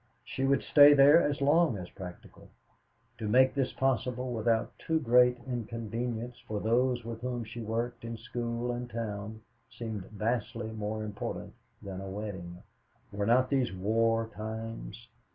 She would stay there as long as practical. To make this possible without too great inconvenience to those with whom she worked in school and town, seemed vastly more important than a wedding. Were not these war times?